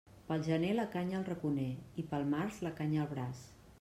Pel gener la canya al raconer i pel març la canya al braç.